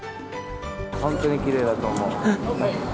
本当にきれいだと思う。